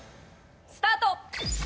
スタート！